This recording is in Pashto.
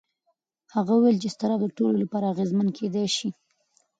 هغه وویل چې اضطراب د ټولو لپاره اغېزمن کېدای شي.